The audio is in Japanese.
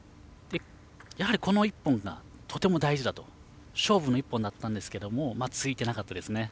この１本がとても大事だと勝負の１本だったんですけどついてなかったですね。